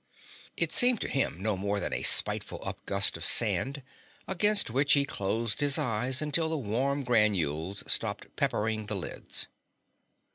It seemed to him no more than a spiteful upgust of sand, against which he closed his eyes until the warm granules stopped peppering the lids.